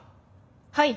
はい。